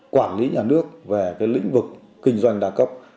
quản lý nhà nước về lĩnh vực kinh doanh đa cấp